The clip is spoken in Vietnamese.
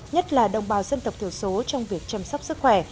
nhất là đồng bào dân tộc thiểu số trong việc chăm sóc sức khỏe